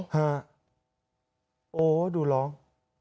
ฮ่าโอ้โฮดูร้อง